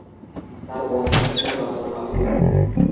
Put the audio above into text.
তার বন্ধু ছিল বানর আবু।